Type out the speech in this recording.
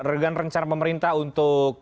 regan rencana pemerintah untuk